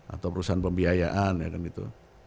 atau perusahaan pembiayaan ya kan itu